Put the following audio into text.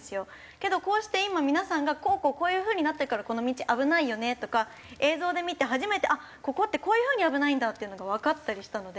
けどこうして今皆さんが「こうこうこういう風になってるからこの道危ないよね」とか映像で見て初めて「ここってこういう風に危ないんだ」っていうのがわかったりしたので。